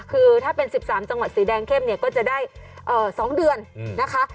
คือถ้าเป็น๑๓จังหวัดสีแดงเข้มเนี่ยก็จะได้๒เดือนนะคะ